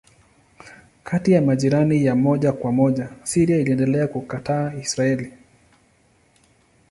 Kati ya majirani ya moja kwa moja Syria iliendelea kukataa Israeli.